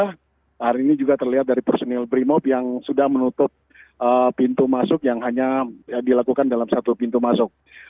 hari ini juga terlihat dari personil brimob yang sudah menutup pintu masuk yang hanya dilakukan dalam satu pintu masuk